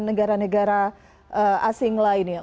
negara negara asing lainnya